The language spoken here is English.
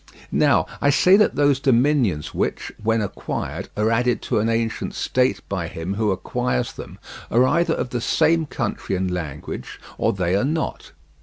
Now I say that those dominions which, when acquired, are added to an ancient state by him who acquires them, are either of the same country and language, or they are not.